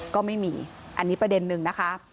ก็ไม่มีอันนี้ประเด็นนึงนะคะ